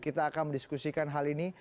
kita akan diskusikan hal ini